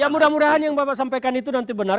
mudah mudahan yang bapak sampaikan itu nanti benar